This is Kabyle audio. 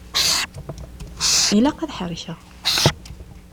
Ilaq ad ḥerrkeɣ.